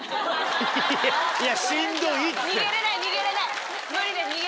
逃げれない逃げれない無理です